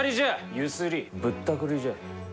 ゆすりぶったくりじゃ。